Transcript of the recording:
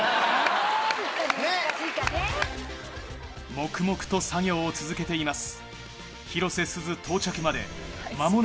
黙々と作業を続けています。